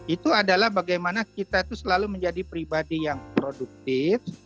itu adalah bagaimana kita itu selalu menjadi pribadi yang produktif